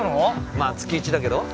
まあ月１だけど。